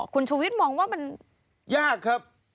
คุณชูวิทย์มองว่ามันยากครับ